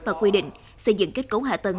và quy định xây dựng kết cấu hạ tầng